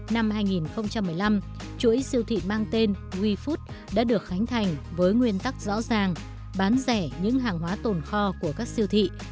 năm hai nghìn một mươi năm chuỗi siêu thị mang tên we food đã được khánh thành với nguyên tắc rõ ràng bán rẻ những hàng hóa tồn kho của các siêu thị